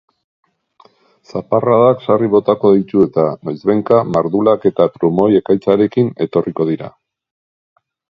Zaparradak sarri botako ditu eta noizbehinka mardulak eta trumoi-ekaitzarekin etorriko dira.